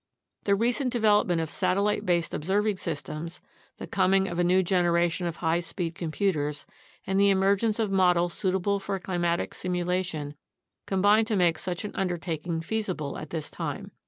The recent development of satellite based observing systems, the coming of a new generation of high speed computers, and the emergence of models suitable for climatic simulation combine to make such an undertaking feasible at this time.